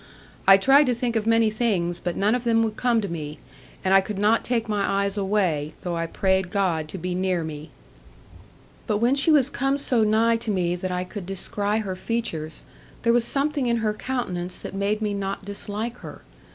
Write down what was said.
I tried to think of many things, but none of them would come to me; and I could not take my eyes away, though I prayed God to be near me. But when she was come so nigh to me that I could descry her features, there was something in her countenance that made me not dislike her.